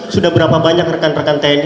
sudah berapa banyak rekan rekan tni